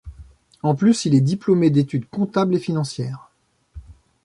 En plus, il est Diplômé d'Études Comptables et Financières.